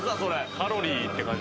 カロリーって感じ。